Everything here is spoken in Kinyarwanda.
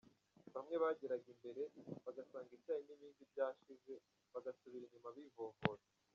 Bamwe bageraga imbere, bagasanga icyayi n’ibindi byashize bagasubira inyuma bivovota.